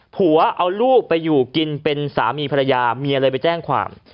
ผัวเอาลูกไปอยู่กินเป็นสามีภรรยาเมียเลยไปแจ้งความ